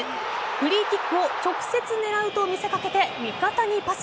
フリーキックを直接狙うと見せかけて味方にパス。